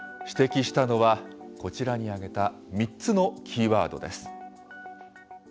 指摘したのは、こちらに挙げた３つのキーワードです。